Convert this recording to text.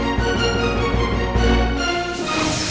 aku tidak bisa melawan diriku sendiri